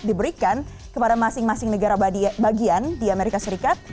diberikan kepada masing masing negara bagian di amerika serikat